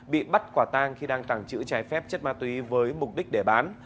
bị bắt quả tang khi đang trẳng chữ trái phép chất ma túy với mục đích để bán